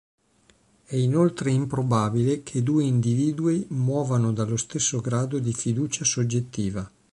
È inoltre improbabile che due individui muovano dallo stesso grado di fiducia soggettiva.